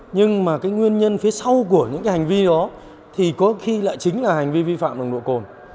nhưng mà cái nguyên nhân phía sau của những cái hành vi đó thì có khi lại chính là hành vi vi phạm nồng độ cồn